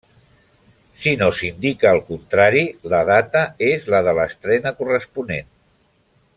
Si no s'indica el contrari, la data és la de l'estrena corresponent.